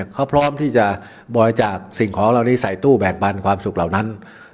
เขาพร้อมที่จะบริจาคสิ่งของเหล่านี้ใส่ตู้แบกปันความสุขเหล่านั้น